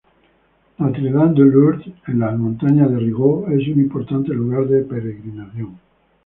Notre-Dame-de-Lourdes, en la montaña de Rigaud, es un importante lugar de peregrinación.